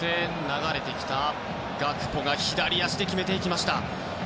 流れてきたガクポが左足で決めていきました。